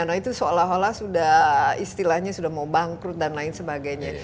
nah itu seolah olah sudah istilahnya sudah mau bangkrut dan lain sebagainya